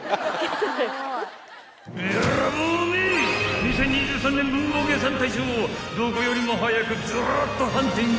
２０２３年文房具屋さん大賞をどこよりも早くずらっとハンティング］